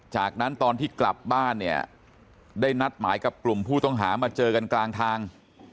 จากนั้นตอนที่กลับบ้านเนี่ยได้นัดหมายกับกลุ่มผู้ต้องหามาเจอกันกลางทาง